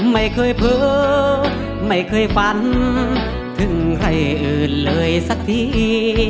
ไม่เคยเผลอไม่เคยฝันถึงใครอื่นเลยสักที